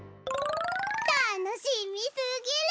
たのしみすぎる！